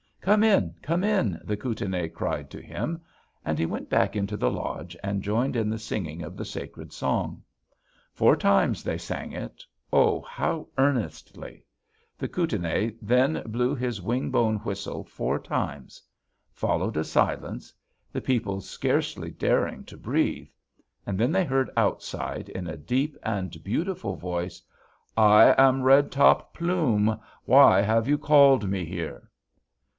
"'Come in! Come in!' the Kootenai cried to him. And he went back into the lodge and joined in the singing of the sacred song. Four times they sang it, oh, how earnestly! The Kootenai then blew his wing bone whistle four times. Followed a silence; the people scarcely daring to breathe. And then they heard outside, in a deep and beautiful voice: 'I am Red Top Plume! Why have you called me here?'